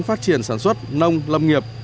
phát triển sản xuất nông lâm nghiệp